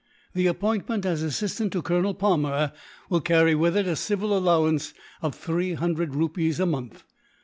The appointment as assistant to Colonel Palmer will carry with it a civil allowance of three hundred rupees a month.